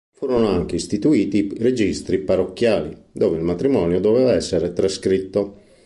Furono anche istituiti i registri parrocchiali, dove il matrimonio doveva essere trascritto.